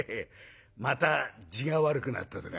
また痔が悪くなったとか」。